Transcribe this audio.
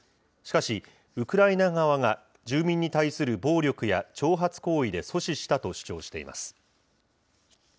しかし、ウクライナ側が住民に対する暴力や挑発行為で阻止したと主張しています。